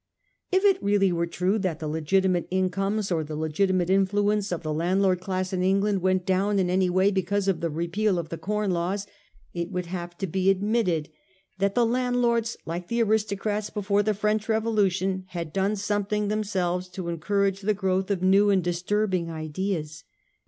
If it really were true that the legitimate incomes or the legitimate influence of the landlord class in England went down in any way because of the repeal of the Com Laws, it would have to be admitted that the landlords, like the aristocrats before the French Revolution, had done something themselves to en courage the growth of new and disturbing ideas.